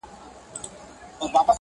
هم پردې سي هم غلیم د خپل تربور وي -